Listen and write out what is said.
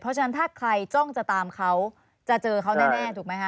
เพราะฉะนั้นถ้าใครจ้องจะตามเขาจะเจอเขาแน่ถูกไหมคะ